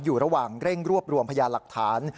อยู่ระหว่างเร่งรวบรวมพยานหลักฐาน